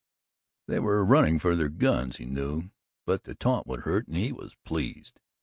They were running for their guns, he knew, but the taunt would hurt and he was pleased.